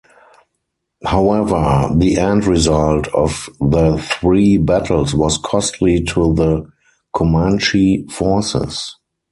However, the end result of the three battles was costly to the Comanche forces.